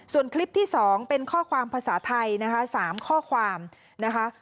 ส่วนคลิปที่๒เป็นข้อความภาษาไทยนะคะ๓ข้อความนะคะ